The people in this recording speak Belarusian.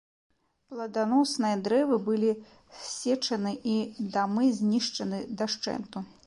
Пладаносныя дрэвы былі ссечаны і дамы знішчаны дашчэнту.